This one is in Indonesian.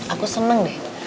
aku seneng deh